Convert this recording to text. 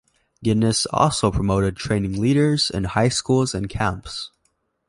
Guinness also promoted training leaders in high schools and camps.